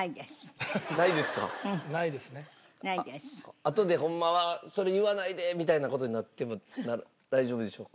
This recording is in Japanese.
あとでホンマはそれ言わないでみたいな事になっても大丈夫でしょうか？